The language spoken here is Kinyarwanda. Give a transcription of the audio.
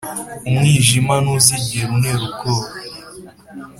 Umwijima ntuzigera unter’ ubwoba,